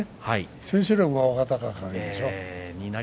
千秋楽は若隆景でしょう。